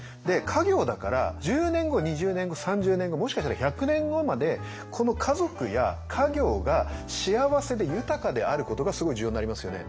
家業だから１０年後２０年後３０年後もしかしたら１００年後までこの家族や家業が幸せで豊かであることがすごい重要になりますよね。